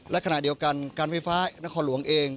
และขณะเดียวกันการไฟฟ้านครหลวงเอง